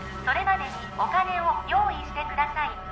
それまでにお金を用意してください